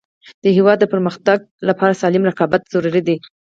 د هیواد د پرمختګ لپاره سالم رقابت ضروري دی.